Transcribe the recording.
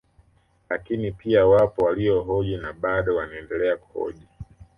Lakini pia wapo waliohoji na bado wanaendelea kuhoji